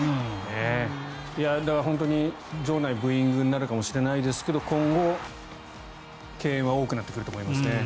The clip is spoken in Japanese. だから本当に場内ブーイングになるかもしれませんが今後、敬遠は多くなってくると思いますね。